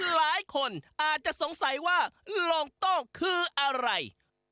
หลายคนอาจจะสงสัยว่าโลโต้คืออะไร